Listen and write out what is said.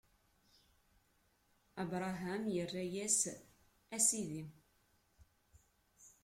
Abṛaham irra-yas: A Sidi!